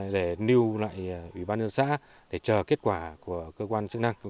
để lưu lại ủy ban nhân xã để chờ kết quả của cơ quan chức năng